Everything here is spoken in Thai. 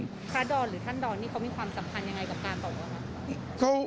พระดอนหรือท่านดอนนี่เขามีความสำคัญยังไงกับกาโตะ